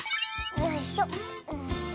よいしょ。